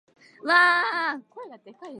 わあーーーーーーーーーー